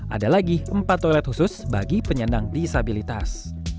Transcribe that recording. ada lagi empat toilet khusus bagi penyandang disabilitas